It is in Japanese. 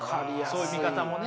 そういう見方もね。